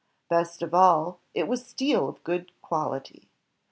Best of all, it was steel of good quality.